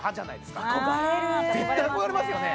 絶対憧れますよね